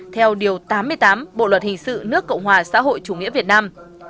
theo điều tám mươi tám bộ luật hình sự nước cộng hòa xã hội chủ nghĩa việt nam